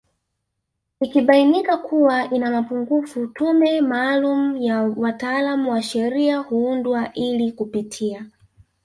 Ikibainika kuwa ina mapungufu tume maalumu ya wataalamu wa sheria huundwa ili kupitia